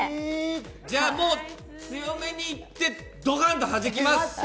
じゃあ、強めにいって、ドカンとはじきます。